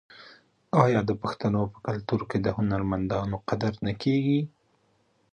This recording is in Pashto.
آیا د پښتنو په کلتور کې د هنرمندانو قدر نه کیږي؟